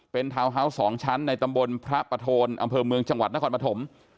เป็นทาวน์ฮาวส์๒ชั้นในตำบลพระประโทนอำเภอเมืองจังหวัดนครปฐม